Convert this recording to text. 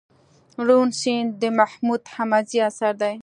روڼ سيند دمحمود حميدزي اثر دئ